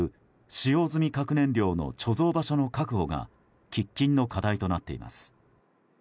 使用済み核燃料の貯蔵場所の確保が喫緊の課題となっています。